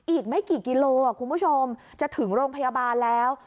อีกไม่กี่กิโลคุณผู้ชมจะถึงโรงพยาบาลแล้ว